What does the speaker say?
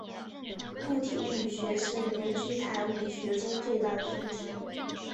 固体物理学是凝聚态物理学中最大的分支。